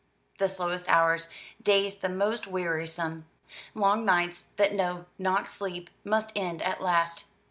The slowest hours, days the most wearisome, long nights that know not sleep, must end at last.